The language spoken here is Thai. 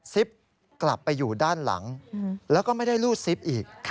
กลับไปอยู่ด้านหลังแล้วก็ไม่ได้รูดซิปอีก